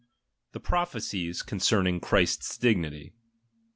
The prophecies concerning Christ's dignity.